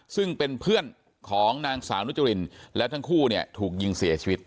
ซึ่งเป็นเพื่อนของนางสาวนุจรินแล้วทั้งคู่เนี่ยถูกยิงเสียชีวิต